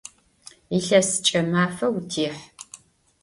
Илъэсыкӏэ мафэ утехь!